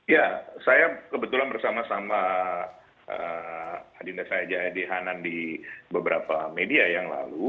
ya saya kebetulan bersama sama adinda syahid dhanan di beberapa media yang lalu